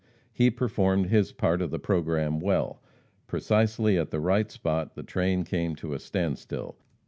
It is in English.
He performed his part of the programme well. Precisely at the right spot the train came to a standstill.